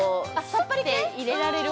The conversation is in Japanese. さっぱり系？